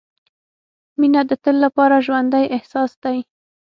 • مینه د تل لپاره ژوندی احساس دی.